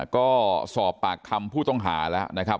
ก็สอบปากคำผู้ต้องหาแล้วนะครับ